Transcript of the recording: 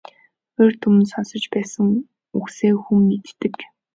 Урьд өмнө нь сонсож байсан үгсээ хүн мэддэг.